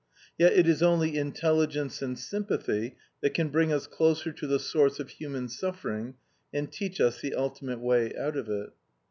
Yet it is only intelligence and sympathy that can bring us closer to the source of human suffering, and teach us the ultimate way out of it.